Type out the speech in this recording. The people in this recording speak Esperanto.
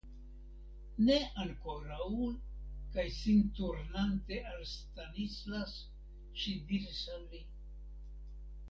Ne ankoraŭ, kaj sin turnante al Stanislas, ŝi diris al li.